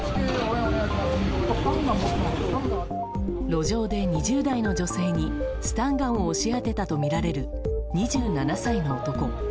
路上で２０代の女性にスタンガンを押し当てたとみられる２７歳の男。